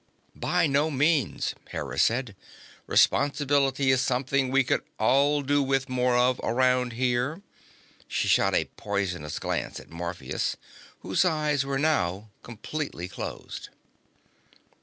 "By no means," Hera said. "Responsibility is something we could all do with more of, around here." She shot a poisonous glance at Morpheus, whose eyes were now completely closed.